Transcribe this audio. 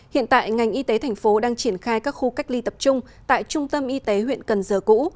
hiện tại ngành y tế thành phố đang triển khai các khu cách ly tập trung tại trung tâm y tế huyện cần giờ cũ